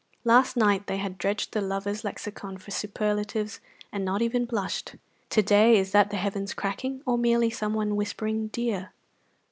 Last night they had dredged the lovers' lexicon for superlatives and not even blushed; to day is that the heavens cracking or merely someone whispering "dear"?